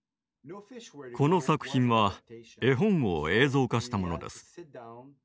この作品は絵本を映像化したものです。